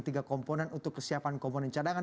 tiga komponen untuk kesiapan komponen cadangan